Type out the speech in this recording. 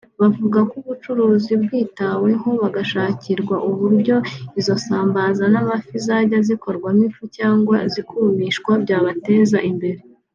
Bavuga ko ubu bucuruzi bwitaweho bagashakirwa uburyo izo sambaza n’amafi zajya zikorwamo ifu cyangwa zikumishwa byabateza imbere